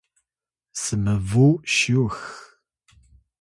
smbu syux